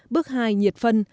bước hai nhiệt phân